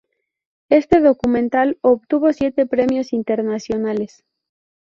Este documental obtuvo siete premios internacionales.